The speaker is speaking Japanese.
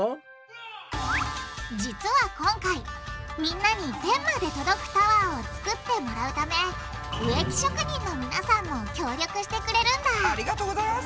実は今回みんなに天まで届くタワーを作ってもらうため植木職人のみなさんも協力してくれるんだありがとうございます！